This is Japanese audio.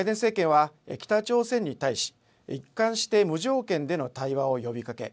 バイデン政権は北朝鮮に対し一貫して無条件での対話を呼びかけ